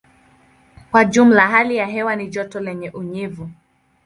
Kwa jumla hali ya hewa ni joto lenye unyevu.